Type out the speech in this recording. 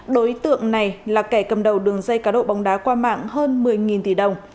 đối tượng này là kẻ cầm đầu đường dây cá độ bóng đá qua mạng hơn một mươi tỷ đồng